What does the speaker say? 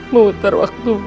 mengutar waktu kembali